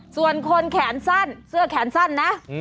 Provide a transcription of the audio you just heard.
ส่วนคนแขนสั้นเสื้อแขนสั้นนะ